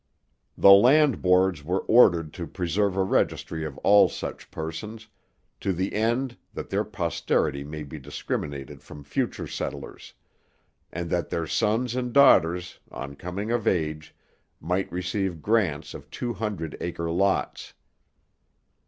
The land boards were ordered to preserve a registry of all such persons, 'to the end that their posterity may be discriminated from future settlers,' and that their sons and daughters, on coming of age, might receive grants of two hundred acre lots.